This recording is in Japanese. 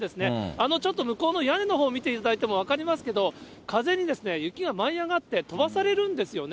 あのちょっと向こうの屋根の所見ていただいても分かりますけど、風に雪が舞い上がって飛ばされるんですよね。